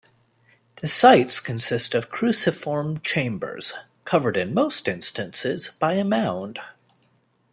The sites consist of cruciform chambers covered in most instances by a mound.